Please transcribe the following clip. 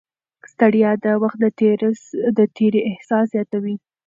ستړیا د وخت د تېري احساس زیاتوي.